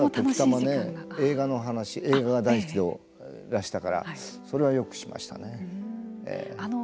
映画の話映画が大好きでらしたからそれはよくしましたね。